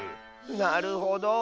なるほど。